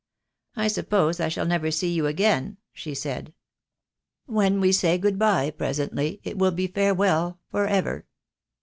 'I suppose I shall never see you again,' she said. 'When we say good bye presently, it will be farewell for ever.'